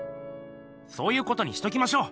そういうことにしときましょう！